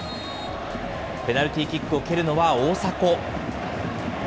ペナルティーキックを蹴るのは大迫。